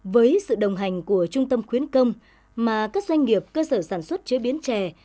với sự đồng hành của trung tâm khuyến công mà các doanh nghiệp cơ sở sản xuất chế biến chè